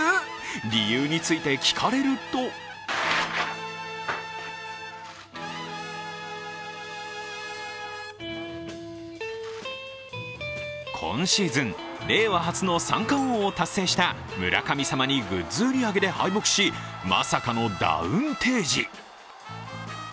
理由について聞かれると今シーズン、令和初の三冠王を達成した村神様にグッズ売り上げで敗北し、まさかのダウン提示。